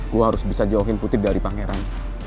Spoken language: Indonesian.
gue harus bisa jauhin putri dari pangeran